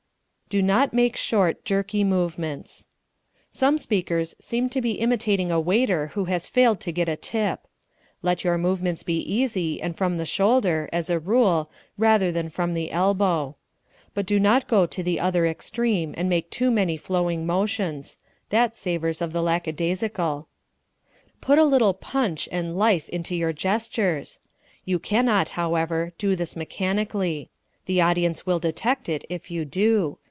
Do Not Make Short, Jerky Movements Some speakers seem to be imitating a waiter who has failed to get a tip. Let your movements be easy, and from the shoulder, as a rule, rather than from the elbow. But do not go to the other extreme and make too many flowing motions that savors of the lackadaisical. Put a little "punch" and life into your gestures. You can not, however, do this mechanically. The audience will detect it if you do.